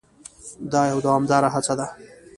دا یوه دوامداره هڅه ده.